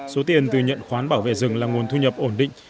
số tiền từ nhận khoán bảo vệ rừng là nguồn thu nhập ổn định